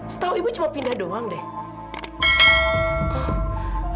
setahu ibu cuma pindah doang deh